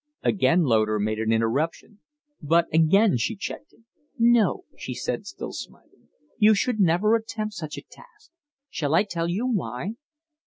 Again Loder made an interruption, but again she checked him. "No," she said, still smiling. "You should never attempt such a task. Shall I tell you why?"